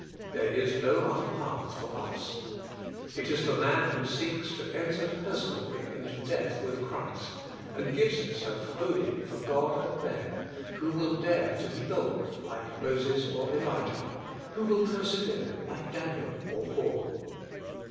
There is no other path for us. It is the man who seeks to enter personally into death with Christ, and gives himself wholly for God and men, who will dare to be bold like Moses or Elijah, who will persevere like Daniel or Paul.